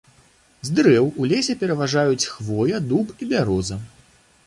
З дрэў у лесе пераважаюць хвоя, дуб і бяроза.